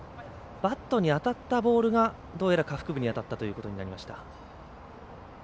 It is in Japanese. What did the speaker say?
バットに当たったボールがどうやら下腹部に当たったということになりました。